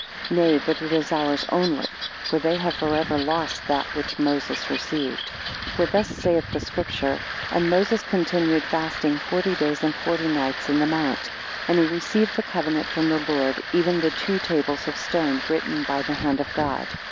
Nay, but it is ours only: for they have forever lost that which Moses received. 8 For thus saith the Scripture And Moses continued fasting forty days and forty nights in the Mount; and he received the covenant from the Lord, even the two tables of stone, written by the hand of God.